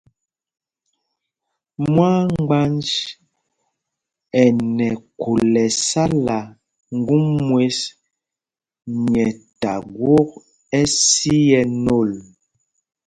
Mwâmgbánj ɛ nɛ khûl ɛsala ŋgum mwes nyɛ ta gwok ɛsi ɛ nôl.